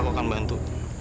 aku akan bantu